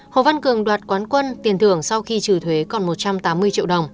hồ văn cường đoạt quán quân tiền thưởng sau khi trừ thuế còn một trăm tám mươi triệu đồng